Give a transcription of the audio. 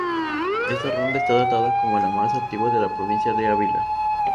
Esta ronda está datada como la más antigua de la provincia de Avila.